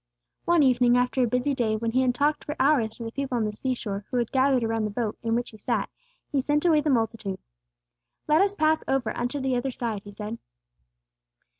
One evening after a busy day, when He had talked for hours to the people on the seashore who had gathered around the boat in which He sat, He sent away the multitude. "Let us pass over unto the other side," He said.